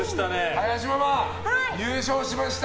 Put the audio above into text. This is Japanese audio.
林ママ、優勝しました。